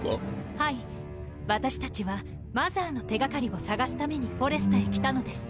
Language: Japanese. はい私たちはマザーの手掛かりを探すためにフォレスタへ来たのです。